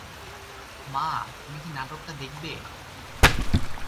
মা, তুমি কি নাটকটা দেখবে?